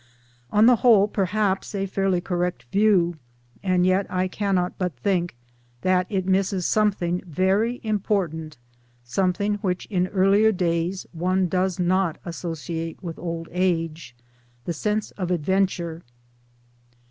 On the whole perhaps a fairly correct view ; and yet I cannot but think that it misses something very important, something which in earlier days one does not associate with old age the sense of adventure.